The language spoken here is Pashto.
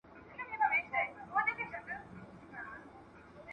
ايا ته د کتابتون کتابونه لوستل کوې!.